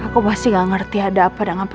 aku siap siap ya